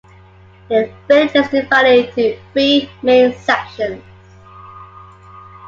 The village is divided into three main sections.